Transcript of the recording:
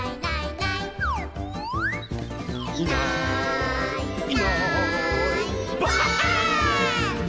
「いないいないばあっ！」